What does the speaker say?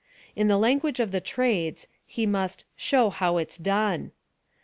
In the languafi^e of the trades, he must " show how it's done."